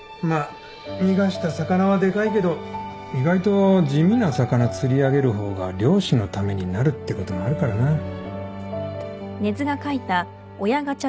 まあ逃がした魚はでかいけど意外と地味な魚釣り上げる方が漁師のためになるってこともあるからな。